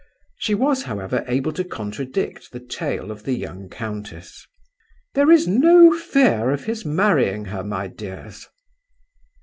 She was however able to contradict the tale of the young countess. "There is no fear of his marrying her, my dears."